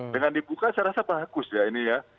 dengan dibuka saya rasa bagus ya ini ya